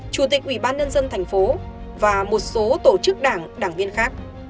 chủ tịch ubnd thành phố và một số tổ chức đảng đảng viên khác